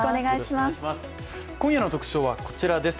今夜の特集はこちらです。